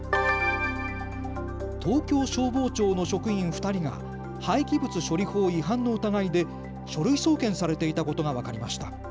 東京消防庁の職員２人が廃棄物処理法違反の疑いで書類送検されていたことが分かりました。